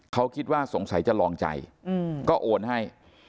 เขาคิดว่าสงสัยจะลองใจก็โอนให้